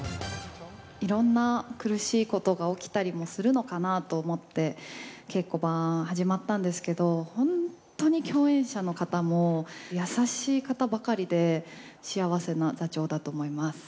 いろんな苦しいことが起きたりもするのかなと思って、稽古場、始まったんですけど、本当に共演者の方も優しい方ばかりで、幸せな座長だと思います。